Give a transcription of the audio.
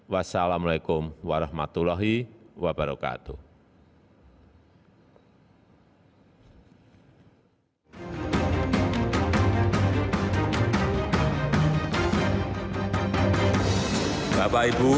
wassalamu'alaikum warahmatullahi wabarakatuh